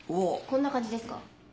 こんな感じですか？